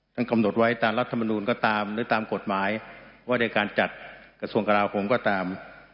กำหนดไว้ตามรัฐมนูลก็ตามหรือตามกฎหมายว่าในการจัดกระทรวงกราคมก็ตาม